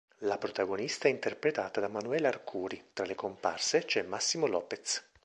La protagonista è interpretata da Manuela Arcuri; tra le comparse c'è Massimo Lopez.